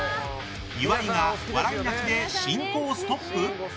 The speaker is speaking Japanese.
岩井が笑い泣きで進行ストップ？